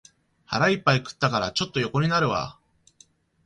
腹いっぱい食ったから、ちょっと横になるわ